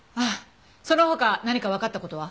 その他何かわかった事は？